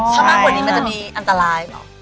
ถ้ามากกว่านี้มันจะมีอันตรายเหรอ